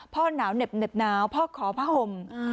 พ่อหนาวเหน็บหนาวพ่อคอพห่ม